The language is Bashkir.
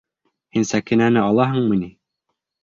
Һин Сәкинәне алаһыңмы ни?